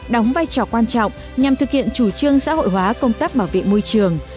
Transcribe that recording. đóng vai trò quan trọng nhằm thực hiện chủ trương xã hội hóa công tác bảo vệ môi trường